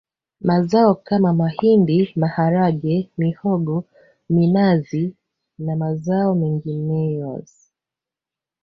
Mazao kama mahindi maharage mihogo minazi na mazao mengineyoâŠ